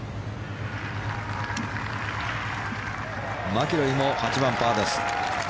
マキロイも８番、パーです。